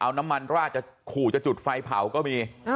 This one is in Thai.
เอาน้ำมันราดจะขู่จะจุดไฟเผาก็มี